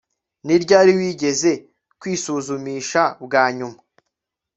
Ni ryari wigeze kwisuzumisha bwa nyuma